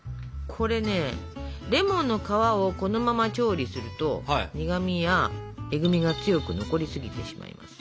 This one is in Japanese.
これねレモンの皮をこのまま調理すると苦みやえぐみが強く残りすぎてしまいます。